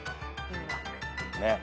ねっ。